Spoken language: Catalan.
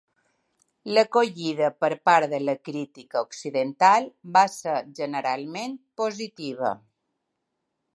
L'acollida per part de la crítica occidental va ser generalment positiva.